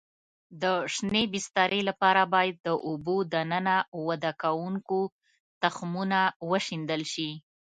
د شینې بسترې لپاره باید د اوبو دننه وده کوونکو تخمونه وشیندل شي.